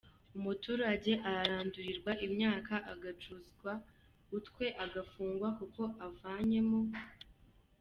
Umuturage ararandulirwa imyaka agacuzwa utwe agafungwa kuko avanye mu